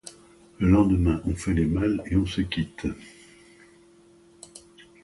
Le lendemain, on fait les malles et on se quitte.